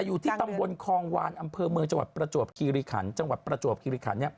อยู่ที่ตำบลคองวานอำเภอเมืองจังหวัดประจวกคิริขัน